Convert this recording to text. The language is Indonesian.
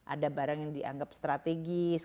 ada barang yang dianggap strategis